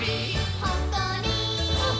ほっこり。